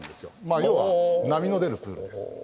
まあ要は波の出るプールです。